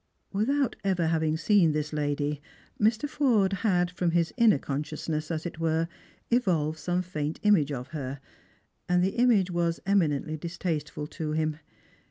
Without ever having seen this lady, Mr. Forde had, from his inner consciousness, as it were, evolved some faint image of her, and the image was eminently distasteful to him.